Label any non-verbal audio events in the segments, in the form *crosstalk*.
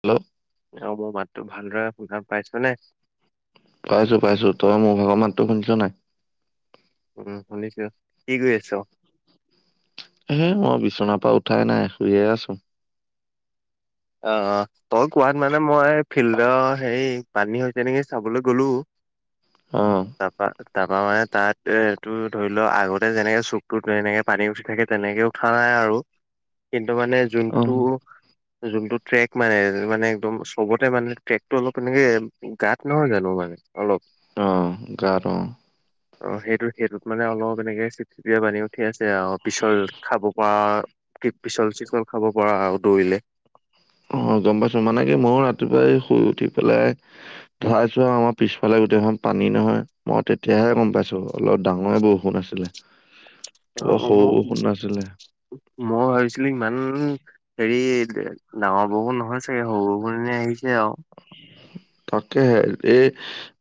Hello অ মই মাতটো ভালদৰে শুধান পাইছা নে- পাইছো পাইছো তই মোৰ ভাগৰ মাততো শুনিছ নাই উম শুনিছো কি কৰি আছ উ মই বিচনাৰ পৰা উঠাই নাই শুইয়ে আছো। অ তই কোৱাত মানে মই ফিল্ডৰ হেৰি পানী হৈছেনেকি চাবলৈ গলো অ। তাৰপৰা তাৰপা মানে তাত এটো ধৰি লও আগতে যেনেকে চুকতো যেনেকে পানী উঠি থাকে তেনেকে উঠা নাই, কিন্তু মানে অ। যোনটো যোনটো ট্ৰেক মানে মানে একদম চবতে মানে ট্ৰেকতটো অলপ এনেকে গাত নহয় জানো মানে অলপ আহ জানো অ সেইটো সেইটোত মানে অলপ এনেকে চিপচিপিয়া বানি উ। ঠিক আছে আৰু পিছল খাব পৰা কি পিছল চিকল খাব পৰা আৰু দৌৰিলে। অ *unintelligible* গম পাইছো মানে কি ময়ো ৰাতিপুৱাই শুই উঠি পেলাই চাইছো আৰু আমাৰ পিছফালে গোটেইখন পানী, । নহয় মই তেতিয়াহে গম পাইছো অলপ ডাঙৰে বৰষুণ আছিলে। ডাঙৰ বৰ সৰু বৰষুণ। নাছিলে মই ভাবিছিলো ইমান হেৰি ডাঙৰ বৰষুণ নহয় চাগে সৰু বৰষুণ এ আহি। সেই আও। তাকেহে এই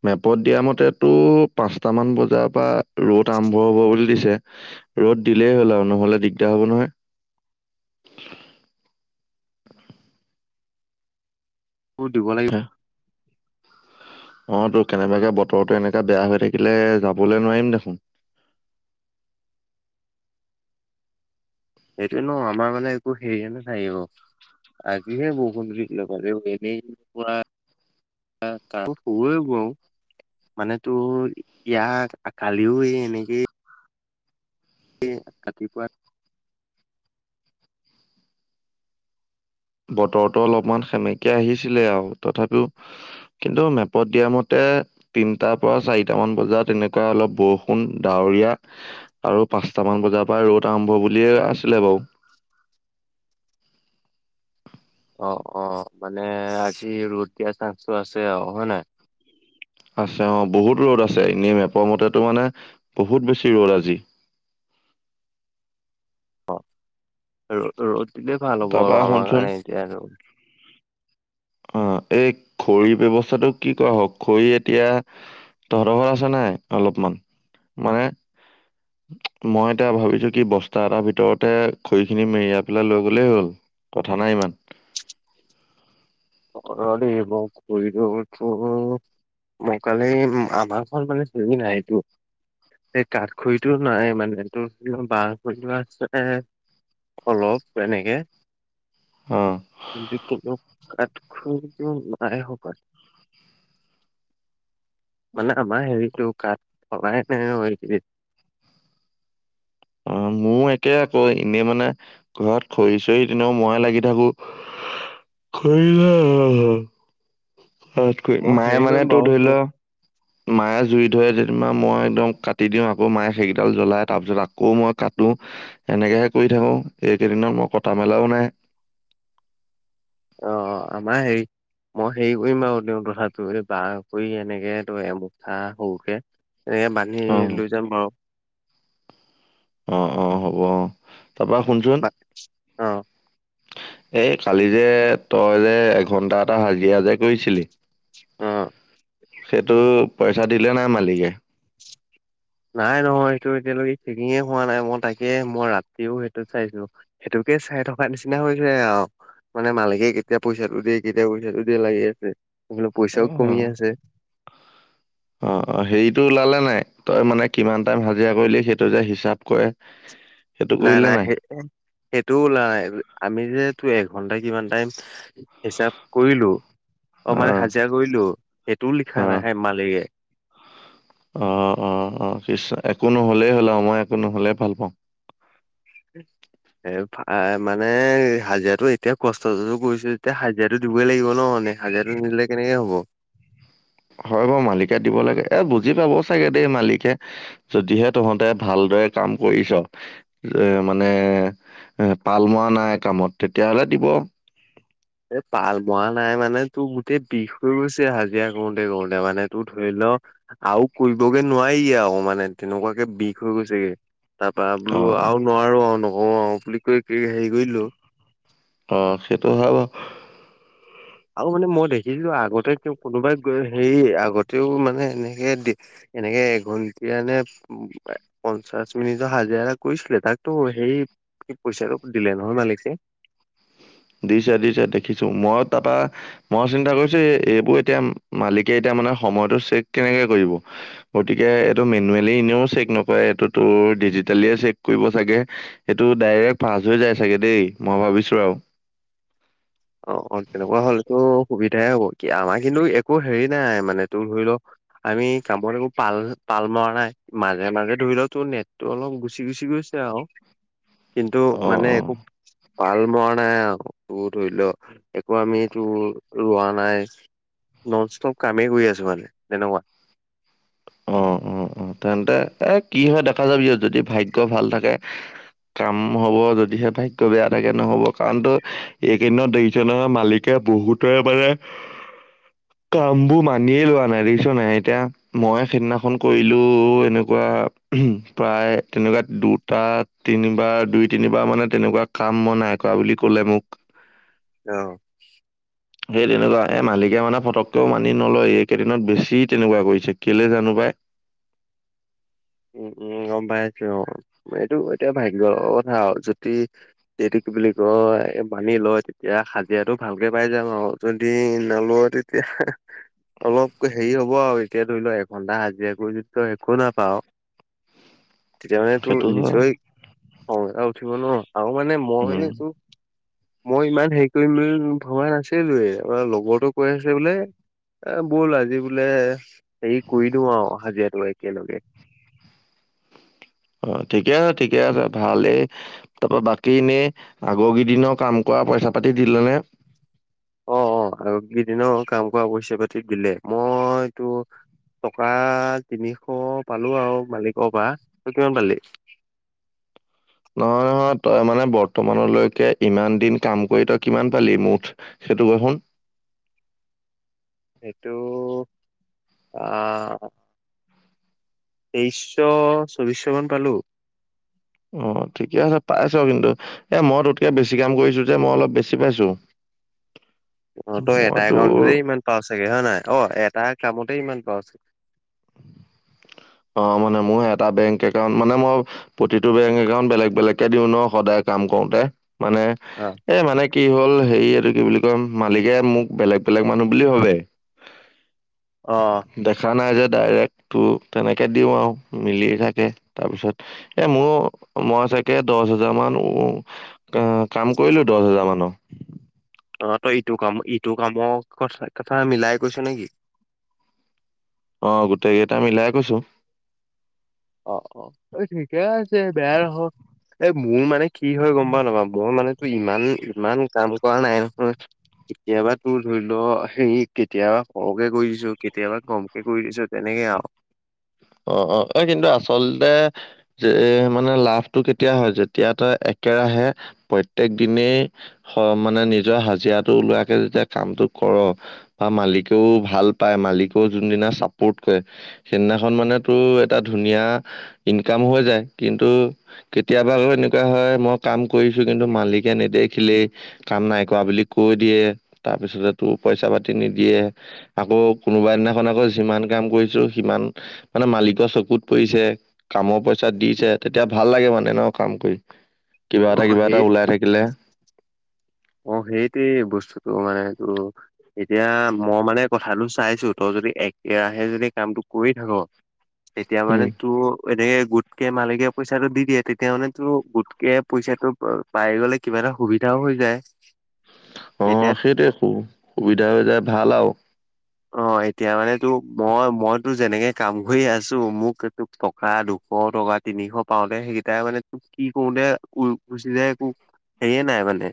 মেপত দিয়া মতেতো পাঁচটামান বজাৰ পৰা ৰ'দ। নামভৰ হ'ব বুলি দিছে ৰ'দ দিলেই হ'ল আৰু নহ'লে দিগদাৰ হ'ব নহয়। আ *unintelligible* ৰ'দ দিব লাগিব। অ তো কেনেবাকে বতৰো এনেকা বেয়া হৈ থাকিলে যাবলৈ নোৱাৰিম দেখোন । *unintelligible* সেইটোয়ে ন আমাৰ মানে একো হেৰিয়ে নাথাকিব । আজিহে বৰষুণ টো দিলে এনেই পৰা। কাম হব গৈ। মানে তোৰ ইয়াত কালিও এই এনেকে। ৰাতিপুৱা। বতৰতো অলপমান সেমেকে আহিছিলে আৰু তথাপিও কিন্তু মেপত দিয়া মতে, । তিনটাৰ পৰা চাৰিটা মান বজাত এনেকুৱা অলপ বৰষুণ ডাৱৰীয়া আৰু প। পচটামান বজাৰ পৰা ৰ'দ আৰম্ভ বুলিয়ে আছিলে বাৰু। *unintelligible* অ অ মানে আজি ৰ'দ দিয়া চাঞ্চ টো আছে আও হয়নাই? আছে অ বহুত ৰ'দ আছে এনেই মেপৰ মতেতো মানে বহুত বেছি ৰ'দ আজি। উ *unintelligible* অ ৰ'দিলে ভাল হ'ব তাৰপা আৰু আমাৰ শুনচোন কাৰণে এতিয়া আৰু অ এই খৰিৰ ব্যৱস্থাটো কি কৰা হওক খৰি এতিয়া তহঁতৰ ঘৰত আছে নাই অলপমান মানে, মই এতিয়া ভাবিছো কি বস্তা এটাৰ ভিতৰতে খৰি খিনি মেৰিয়াই পেলাই লৈ গ'লেই হ'ল কথা নাই ইমান *unintelligible* অ এব খই ৰ তো । মই কালি আমাৰ ঘৰত মানে খৰি নাইটো, । এই কাঠ খৰিটো নাই মানে তো বাহ খৰিটো আছে, । অলপ এনেকে অ কিন্তু কে। খৰিটো ইমানে শকত। মানে আমাৰ হেৰিটো কাঠ ফলা নাই এইকেইদিন। অ *unintelligible* মোৰ একে আকৌ এনেই মানে ঘৰত খৰি চৰি তেনেও মই লাগি থাকো। খৰি নাই আমাৰ ঘৰত। মই মায়ে হেৰি মানে কৰিম তো বাৰু ধৰি তোৰ লও মায়ে জুই ধৰে। মই একদম কাটি দিওঁ আকৌ মায়ে সেইকেইডাল জ্বলাই তাৰ পিছত আকৌ মই কাটো এনেকে হে কৰি। থাকো এইকেইদিনত মই কটা মেলাও নাই, *unintelligible* অ আমাৰ হেৰি। মই হেৰি কৰিম বাৰু তেওঁওঁ তথাটো এই বহ কৰি এনেকে ত এমুঠা সৰুকে। এ বান্ধি অ লৈ যাম বাৰু। অ অ হ'ব অ তাৰপৰা বা শুনচোন। অ। এই কালি যে তই যে এঘণ্টা এটা হাজিৰা কৰিছিলি। অ। সেইটো পইচা দিলে নাই মালিকে। নাই নহয় সেইটো এতিয়ালৈকে চিনিয়া পোৱা নাই মই তাকে মই ৰাতিও সেইটোত চাইছিলো সেইটো। মুকে চাই থকাৰকা নিচিনা হৈছে আৰু। মানে মালিকে কেতিয়া পইচাটো দিয়ে কেতিয়া পইচাটো দিয়ে লাগি আছে। বোলো অ পইচাও অ কমি আছে অ অ হেৰিটো ওলালে নাই। তই মানে কিমান টাইম হাজিৰা কৰিলি সেইটো যে হিচাপ কৰে। সেইটো নাই কৰিলে নাই সেই সেইটোও ওলোৱা নাই আমি যে। এ ঘন্ট কিমান টাইম হিচাপ কৰিলো। অ মানে হাজিৰা কৰিলো সেইটোও লিখা অ নাই সে মালিককে। অ অ অয় একো নহলেই হ'ল আৰু মই একো নহলে ভাল পাওঁ। । *inaudible* এ মানে হাজিৰাটো এতিয়া কষ্টো কৰিছো যেতিয়া হাজিৰাটো দিবই লাগিব ন মানে। হাজাৰটো নিদিলে কেনেকে হ'ব। হয় বাৰু মালিকে দিব লাগে এ বুজি পাবও চাগে দেই মালিকে যদিহে তহঁতে ভাল। বেয়া কাম কৰিছ যে মানে। এ পাল মৱা নাই কামত তেতিয়াাহলে দিব। এ পাল মৰা নাই মানে তোৰ গোটেই বিষ হৈ গৈছে হাজিৰা কৰোতে কৰোতে মানে তোৰ ধৰি ল। আৰু কৰিবগে নোৱাৰি আৰু মানে তেনেকুৱাকে বিষ হৈ গৈছেগে। তাৰ পৰা অ বোলো আৰু নোৱাৰো আৰু নকওঁ অ বুলি কৈ কি হেৰি কৰিলো। অ সেইটো ভাব। আৰু মানে মই দেখিছিলো আগতে ক কোনোবাই গৈ হেৰি আগতেও মানে। এনেকে এনেকে এঘন্টিয়ানে পঞ্চাশ মিনিটৰ হাজিৰা কৰিছিলে। তাকটো সেই কি পইচাটো দিলে নহয় মালিকছে। দিছে দিছে দেখিছো মই তাৰপা মই চিন্তা কৰিছো এইবোৰ এতিয়া মালিকে এতিয়া। মানে সময়তটো চেক কেনেকে কৰিব গতিকে এইটো মেনুৱেলি এনেও চেক নকৰে এইটো তোৰ। ডিজিটেল চেক কৰিব চাগে সেইটো ডাইৰেক্ট পাছ হৈ যায় চাগে দেই মই ভাবিছো আৰু। অ অ তেনেকুৱা হলেতো সুবিধাই হব কি আমাৰ কিন্তু একো হেৰি নাই মানে তোৰ ধৰি লওক। আমি কামত একো পাল পাল মৰা নাই মাজে মাজে ধৰি লও তোৰ নেটটো অলপ গুচি গুচি গ। আৰু কিন্তু অ মানে একো পাল মৰা নাই আৰু ব ধৰি লও। একো আমিটো ৰোৱা নাই। নন ষ্টপ কামেই কৰি আছো মানে তেনেকুৱা। অ অ অ তেন্তে এ কি হয় দেখা যাব ইয়াত যদি ভাগ্য ভাল থাকে। কাম হব যদিহে ভাগ বেয়া থাকে নহ'ব কাৰণটো এইকেইদত দজনৰ মালিকে। বহুতে মানে। কাম বোৰ মানিয়েই লোৱা নাই দেখিছ নাই এতিয়া মই। সেইদিনাখন কৰিলো এনেকুৱা প্ৰায় তেনেকুৱা দুটা তিনিবাৰ। দুই তিনি। অ সেই তেনেকুৱা এ মালিকে মানে ফটককেও মানি নলয় এইকেইদিনত বেছি তেনেকুৱা কৰিছে। কেলে জানো পাই। উ উম গম পাই আছো অ এইটো এতিয়া ভাগ্য কথা আৰু জতি দেউ কি বুলি। কি কয় বানি লয় তেতিয়া হাজিৰাটো ভালকে পাই যাম আৰু যদি নলয় তেতিয়া। অলপ হেৰি হব আৰু এতিয়া ধৰি লও এঘন্টা হাজিৰা কৰি যদি একে একো নাপাঅ তেতিয়া মানে তোৰ সেইটো হয় নিশ্চয় খং এটা উঠিব ন আৰু মই উম মানে তু মই ইমান হেৰি কৰিম বুলি ভবা নাছিলোয়ে আৰু লগৰটোৱে কৈ আছে বোলে এ বল আজি বোলে হেৰি কৰি দিও আৰু হাজিৰাটো একেলগে অ ঠিকে আছে ঠিকে আছে ভালেই তাৰপা বাকী এনেই আগৰ কেইদিনঅ কাম কৰা পইচা পাতি দিলে নে অ অ আৰু কেইদিন কাম কৰা পইচা পাতিত দিলে মইটো টকা তিনিশ পালো আৰু মালিকৰ পা তই কিমান পালি *unintelligible* নহয় নহয় তই মানে বৰ্তমানলৈকে ইমান দিন কাম কৰি তই কিমান পালি মুঠ সেইটো ক শোন সেইটো আহ তেইশশ চৌবিশ মান পালো অ ঠিকে আছে পাইছ কিন্তু এ মই টোতকে বেছি কাম কৰিছো যে মই অলপ বেছি পাইছো অ তই মই এটা তোৰ একাউণ্টতে ইমান পা চাগে হয় নাই অ এটা কামতে ইমান অ অ মানে মোৰ এটা বেংক একাউণ্ট মানে মই প্ৰতিটো বেংক একাউণ্ট বেলেগ বেলেগকে দিও ন সদায় কাম কওঁতে মানে অ এ মানে কি হ'ল হেৰি এইটো কি বুলি কয় মালিকে মোক বেলেগ বেলেগ মানুহ বুলি ভাবে অ দেখা নাই যে ডাইৰেক্ট তো তেনেকে দিও আৰু মিলি থাকে তাৰপিছত এ মোৰ মই চাগে দহ হাজাৰ মান উ কাম কৰিলো দহ হাজাৰ মানৰ অ তই ইটো কাম ইটো কামৰ ক কথা মিলাই কৈছ নেকি অ গোটেইকেইটা মিলাই কৈছো। অ অ এই ঠিকে আছে বেয়া নহয় এই মোৰ মানে কি হয় গম পাঅ নাপাঅ মই মানে তো ইমান ইমান কাম কৰা নাই নহয় কেতিয়াবা তোৰ ধৰি লও হেৰি কেতিয়াবা সৰহকে কৰি দিছো কেতিয়াবা কমকে কৰি দিছো তেনেকে হে আও অ অ এ কিন্তু আচলতে যে মানে লাভটো কেতিয়া হয় যেতিয়া তই কেৰাহে প্ৰত্যেক দিনেই মানে নিজৰ হাজিৰাটো ওলোৱাকে যেতিয়া কামটো কৰ বা মালিকেও ভাল পায়। মালিকেও যোনদিনা চাপৰ্ট কৰে সেইদিনা এ মানে তোৰ এটা ধুনীয়া ইনকামো হৈ যায়। কিন্তু কেতিয়াবা ধৰ এনেকুৱা হয় মই কাম কৰিছো, কিন্তু মালিকে নেদেখিলেই। কাম নাই কৰা বুলি কৈ দিয়ে। তাৰ পিছত তোৰ পইচা পাতি নিদিয়ে। আকৌ কোনোবা দিনাখন আকৌ যিমান কাম কৰিছো সিমান মানে মালিকৰ চকুত পৰিছে, কামৰ পইচা দিছে, তেতিয়া ভাল লাগে মানে ন কাম কৰি। কিবা অ এটা কিবা এটা সেই ওলাই থাকিলে অ সেইটোৱেই বস্তুতটো মানে এইটো এতিয়া মই মানে কথাটো চাইছো তই যদি একেৰাহে যদি কামটো কৰি থাক তেতিয়া মানে উম তোৰ এনেকে গোটকে মালিকে পইচাটো দি দিয়ে তেতিয়া মানে তো গোটকে পইচাটো পাই গ'লে কিবা এটা সুবিধা হৈ যায় অ এতিয়া সেইটোৱে সুবিধা হৈ যায় ভাল আৰু অ এতিয়া মানে তো মই মইতো যেনেকে কাম কৰি আছো মোক তোক টকা দুশ টকা তিনিশ পাও তে সেইকেইটাই মানে তোক কি কৰো তে উই গুছি যায় তোক সেইয়ে নাই মানে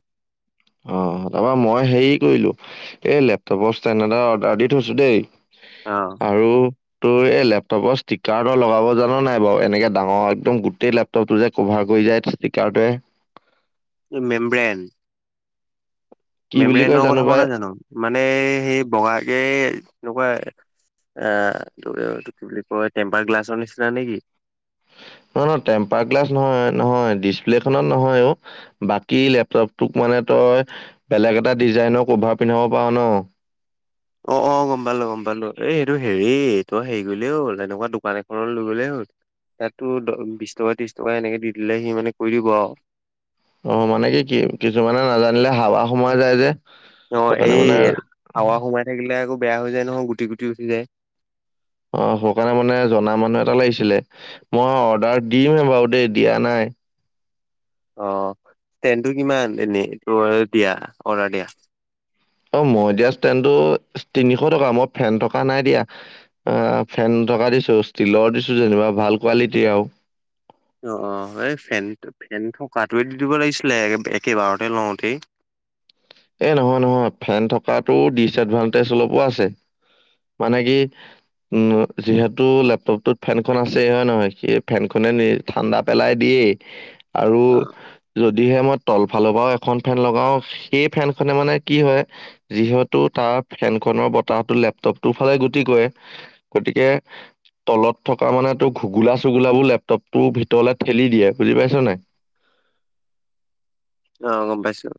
অ তাৰপৰা মই হেৰি কৰিলো এই লেপটপৰ ষ্টেণ্ এডটা অৰ্ডাৰ দি থৈছো দেই অ আৰু তোৰ এই লেপটপৰ ষ্টিকাৰ লগাব জানো নাই বাৰু এনেকে ডাঙৰ একদম গোটেই লেপটপ টো যে কভাৰ কৰি যায় ষ্টিকাৰ টোৱে মেমব্ৰেন কি বুলি কয় মেমৰেনৰ কথা কোৱা পাই নাই জানো মানে সেই বগাকে এনেকুৱা এ ত কি বুলি কয় টেম্পাৰ গ্লাছৰ নিচিনা নেকি নহ নহয় টেম্পাৰ গ্লাছ নহয় নহয় ডিচপ্লে খনত নহয় অ বাকী মানে তই বেলেগ এটা ডিজাইনৰ কভাৰ পিন্ধাব পাৰ ন অ অ অ গম পালো গম পালো এইটো হেৰি তই হেৰি কৰিলে হ'ল এনেকুৱা দোকান এখন লৈ গ'লে হ'ল সিতো বিশ টকা ত্ৰিশ টকা এনেকে দি দিলে সি মানে কৰি দিব আৰু অ, মানে কি-কি কিছুমানে নাজানিলে হাৱা সোমাই যায় যে। অ সেইকাৰণে মানে এই হাৱা সোমাই থাকিলে আকৌ বেয়া হৈ যায় নহয়, গুটি-গুটি উঠি যায়। অ সেই কাৰণে মানে জনা মানুহ এটা লাগিছিলে। মই অৰ্ডাৰ দিমহে বাৰু দেই দিয়া নাই। অ ষ্টেনটো কিমান এনেই তই দিয়া অৰ্ডাৰ দিয়া? অ মই দিয়া ষ্টেনটো তিনিশ টকা। মই ফেন থকা নাই দিয়া। অ ফেন টকা দিছো ষ্টিলৰ দিছো যেনিবা। ভাল কোৱালিটি আৰু। *inaudible* অ-অ এই ফেন ফেন থকাটোৱে দি দিব লাগিছিলে একেবাৰতে লওঁতেই। *inaudible* এ নহয়, নহয়। ফেন থকাটোৰ ডিচএডভানটেজ অলপো আছে। মানে কি উম যিহেতু লেপটপটোত ফেনখন আছে, হয় নহয়? সেই ফেনখনে নি ঠাণ্ডা পেলাই দি *unintelligible* আৰু অ যদিহে মই তলফালৰ পৰাও এখন ফেন লগাও সেই ফেনখনে মানে কি হয় যিহেতু তাৰ ফেনখনৰ বতাহতটো লেপটপটোৰ ফালে গতি গতিকে তলত থকা মানেটো ঘুগোলা-চুগুলাবোৰ লেপটপটোৰ ভিতৰলে ঠেলি দিয়ে বুজি পাইছ নাই? অ গম পাইছো।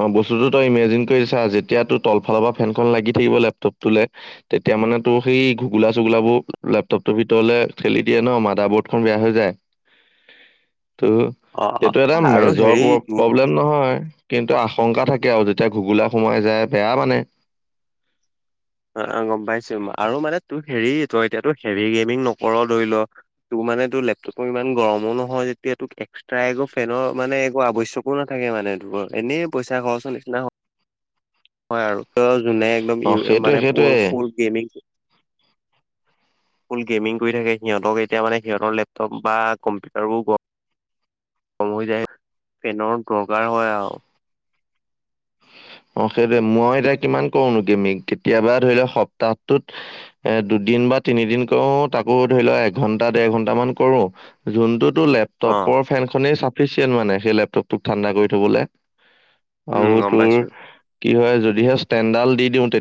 অ বস্তুতো তই ইমেজিন কৰিছা যেতিয়া তোৰ তলফালৰ পৰা ফেনখন লাগি থাকিব লেপটপটোলে তেতিয়া এতিয়া মানে তোৰ সেই ঘুগোলা চুগোলাবোৰ লেপটপটোৰ ভিতৰলে ঠেলি দিয়ে ন মাডাৰ বৰ্ড খন বেয়া হৈ যায়। *inaudible* ত অ অ এইটো এটা আৰু মেজৰ হেৰি প্ৰ তোৰ প্ৰব্লেম নহয়। কিন্তু আশংকা থাকে আৰু যেতিয়া ঘুগোলা সোমাই যায় বেয়া মানে। অ অ গম পাইছো আৰু মানে তোৰ হেৰি তই এতিয়া হেভি গেমিং নকৰ ধৰি ল তো- মানে এইটো লেপটপটো ইমান গৰমো নহয় যেতিয়া তোক এক্সট্ৰা একো ফেনৰ মানে একো আৱশ্যকো নাথাকে মানে এনেই পইচা খৰচৰ নিচিনা হল হয় আৰু তো যোনে একদম অ সেইটোৱে মানে সেইটোৱে ফুল গেমিং ফুল গেমিং কৰি থাকে সিহঁতক এতিয়া মানে সিহঁতৰ লেপটপ বা কম্পিউটাৰবোৰ গ সময় যায় আৰু ফেনৰ দৰকাৰ হয় আও অ সেইটোৱে। মই এতিয়া কিমান কৰোনো গেমিং কেতিয়াবা ধৰি লোৱা সপ্তাহটোত এ দুদিন দিন বা তিনিদিন কৰো। তাকো ধৰি লোৱা এঘন্টা, দেৰ ঘন্টামান কৰো। যোনটোত অ', লেপটপৰ ফেনখনেই চাফিচিয়েণ্ট মানে সেই লেপটপটোক ঠাণ্ডা কৰি থবলে। উম, আৰু গম তোৰ পাইছো। কি হয় যদিহে ষ্টেণ্ডদাল দি দিওঁ তে